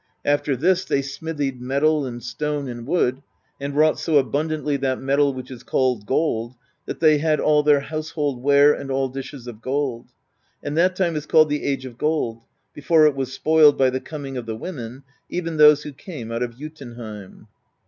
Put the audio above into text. After this they smithied metal and stone and wood, and wrought so abun dantly that metal which is called gold, that they had all their household ware and all dishes of gold; and that time is called the Age of Gold, before it was spoiled by the com ing of the Women, even those who came out of Jotunheim.